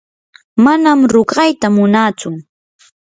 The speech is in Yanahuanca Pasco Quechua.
manam ruqayta munatsu.